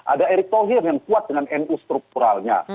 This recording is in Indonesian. ada erick thohir yang kuat dengan nu strukturalnya